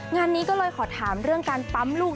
งานนี้ก็เลยขอถามเรื่องการปั๊มลูก